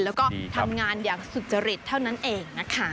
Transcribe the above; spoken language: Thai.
แล้วก็ทำงานอย่างสุจริตเท่านั้นเองนะคะ